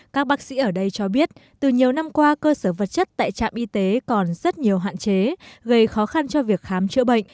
các bác sĩ ở đây cho biết từ nhiều năm qua cơ sở vật chất tại trạm y tế còn rất nhiều hạn chế gây khó khăn cho việc khám chữa bệnh